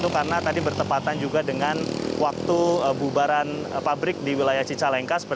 karena tadi bertepatan juga dengan waktu bubaran pabrik di wilayah cicalengka